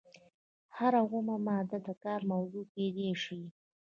هره اومه ماده د کار موضوع کیدای شي.